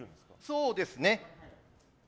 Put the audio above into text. そうですね。